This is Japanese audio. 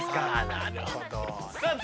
なるほど。